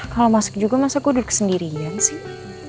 kalau masuk juga masa aku duduk sendirian sih